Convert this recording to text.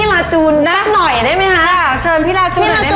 สวัสดีค่ะ